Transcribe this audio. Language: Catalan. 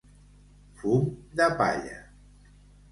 Fum de palla.